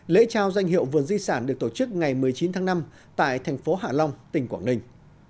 lễ trao danh hiệu vườn di sản được tổ chức ngày một mươi chín tháng năm tại thành phố hạ long tỉnh quảng ninh